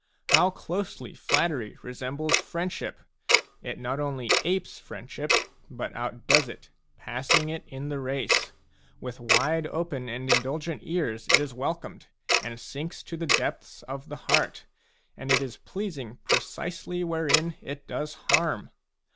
How closely flattery resembles friendship ! It not only apes friendship, but outdoes it, passing it in the race ; with wide open and indulgent ears it is welcomed and sinks to the depths of the heart, and it is pleasing precisely wherein it does harm.